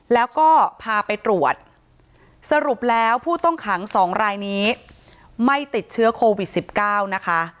แล้วก็พาไปตรวจสรุปแล้วผู้ต้องขัง๒รายนี้ไม่ติดเชื้อโควิด๑๙นะคะ